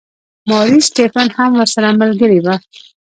ماري سټیفن هم ورسره ملګرې وه.